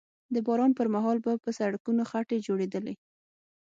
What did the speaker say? د باران پر مهال به په سړکونو خټې جوړېدلې